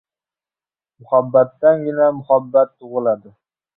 Muhabbatdangina muhabbat tug‘iladi.